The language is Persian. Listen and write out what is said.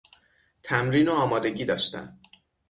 تمرین و آمادگی داشتن